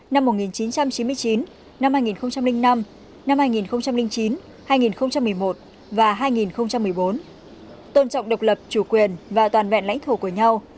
năm một nghìn chín trăm chín mươi chín hai nghìn năm năm hai nghìn chín hai nghìn một mươi một và hai nghìn một mươi bốn tôn trọng độc lập chủ quyền và toàn vẹn lãnh thổ của nhau